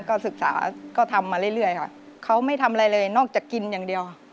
ก็ศึกษาก็ทำมาเรื่อยค่ะเขาไม่ทำอะไรเลยนอกจากกินอย่างเดียว